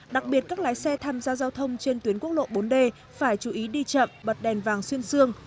đặc biệt các lái xe tham gia giao thông trên tuyến quốc lộ bốn d phải chú ý đi chậm bật đèn vàng xuyên xương